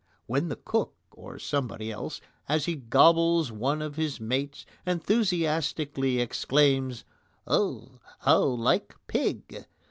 When the cook, or somebody else, as he gobbles one of his mates, enthusiastically exclaims: "Oh, how like pig!"